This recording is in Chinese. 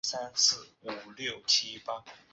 衿川区是大韩民国首都首尔特别市的一个区。